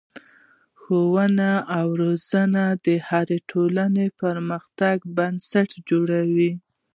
ښوونه او روزنه د هرې ټولنې د پرمختګ بنسټ جوړوي.